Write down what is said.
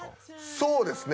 そうですね